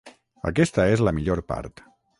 Aquesta és la millor part.